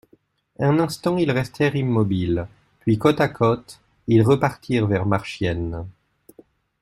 Un instant, ils restèrent immobiles ; puis, côte à côte, ils repartirent vers Marchiennes.